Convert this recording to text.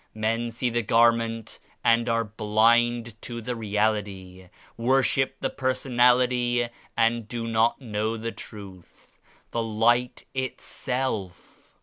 Men see the garment and are blind to the Reality; worship the Personality and do not know the Truth, the Light Itself.